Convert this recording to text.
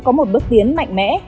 có một bước tiến mạnh mẽ